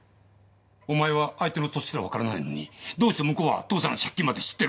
お前は相手の年すらわからないのにどうして向こうは父さんの借金まで知ってるんだ。